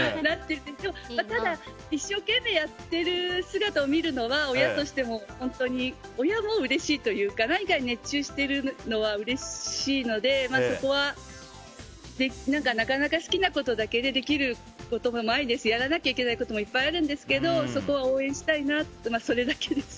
ただ、一生懸命やっている姿を見るのは親としても本当に親もうれしいというか何かに熱中しているのはうれしいのでなかなか好きなことだけでできることはないですしやらなきゃいけないこともいっぱいあるんですけどそこは応援したいなとそれだけです。